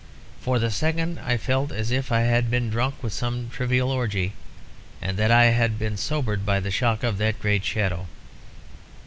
For the second I felt as if I had been drunk with some trivial orgie, and that I had been sobered by the shock of that shadow.